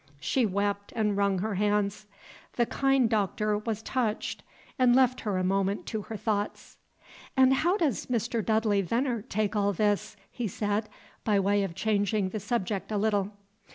She wept and wrung her hands. The kind Doctor was touched, and left her a moment to her thoughts. "And how does Mr. Dudley Veneer take all this?" he said, by way of changing the subject a little.